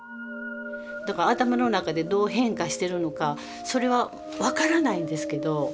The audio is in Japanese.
だから頭の中でどう変化してるのかそれは分からないんですけど。